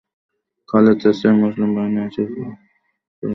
খালিদ চাচ্ছিলেন, মুসলিম বাহিনী আসার পূর্বে এখানে পৌঁছতে।